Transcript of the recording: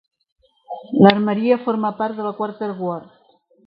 L'armeria forma part de la Quarter Guard.